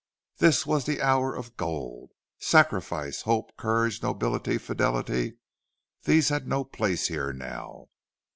This was the hour of Gold! Sacrifice, hope, courage, nobility, fidelity these had no place here now.